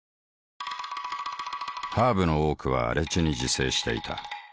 ハーブの多くは荒地に自生していた。